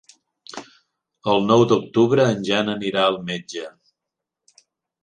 El nou d'octubre en Jan anirà al metge.